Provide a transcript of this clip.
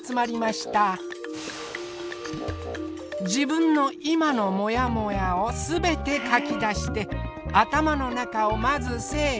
自分の今のもやもやを全て書き出して頭の中をまず整理。